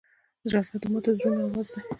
• ژړا د ماتو زړونو آواز دی.